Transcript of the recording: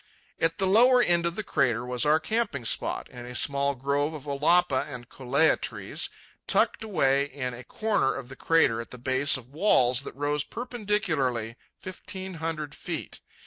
At the lower end of the crater was our camping spot, in a small grove of olapa and kolea trees, tucked away in a corner of the crater at the base of walls that rose perpendicularly fifteen hundred feet.